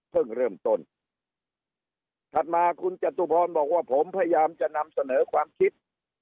เริ่มต้นถัดมาคุณจตุพรบอกว่าผมพยายามจะนำเสนอความคิด